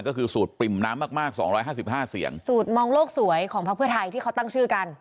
ก็คือสูตรปริ่มน้ำมากมากสองร้อยห้าสิบห้าเสียงสูตรมองโลกสวยของพักเพื่อไทยที่เขาตั้งชื่อกัน